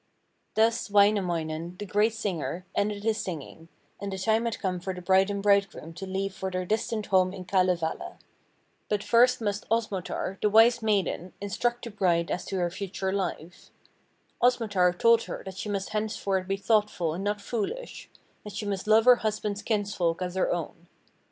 Thus Wainamoinen, the great singer, ended his singing, and the time had come for the bride and bridegroom to leave for their distant home in Kalevala. But first must Osmotar, the wise maiden, instruct the bride as to her future life. Osmotar told her that she must henceforth be thoughtful and not foolish, that she must love her husband's kinsfolks as her own.